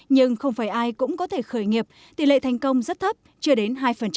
nhưng không phải ai cũng có thể khởi nghiệp tỷ lệ thành công rất thấp chưa đến hai